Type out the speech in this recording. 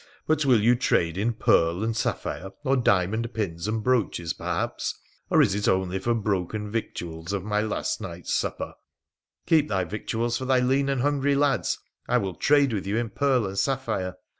But will you trade in pearl and sapphire, or diamond pins and brooches, perhaps — or is it only for broken victuals of my last night's supper ?'' Keep thy victuals for thy lean and hungry lads I I will trade with you in pearl and sapphire.'